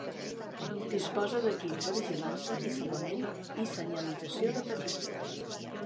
Disposa d'equips de vigilància i salvament i senyalització de perill.